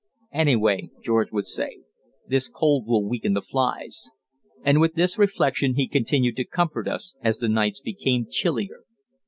"Anyway," George would say, "this cold will weaken the flies." And with this reflection he continued to comfort us as the nights became chillier.